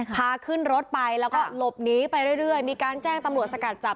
พาขึ้นรถไปแล้วก็หลบหนีไปเรื่อยมีการแจ้งตำรวจสกัดจับ